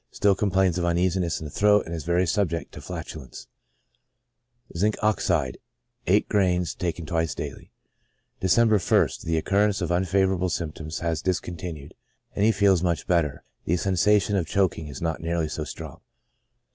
Still com plains of uneasiness in the throat, and is very subject to flatulence. Zinc. Ox., gr.viij, bis die, December ist. — The recurrence of unfavorable symptoms has discontinued, and he feels much better; the sensation of choking is not nearly so strong.